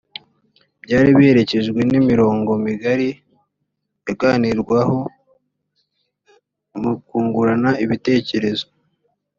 byari biherekejwe n’imirongo migari yaganirwaho mu kungurana ibitekerezo